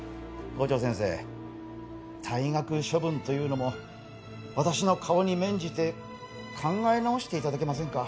校長先生退学処分というのも私の顔に免じて考え直して頂けませんか？